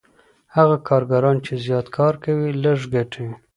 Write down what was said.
هغه کارګران چي زیات کار کوي لږ ګټي.